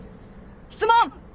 質問！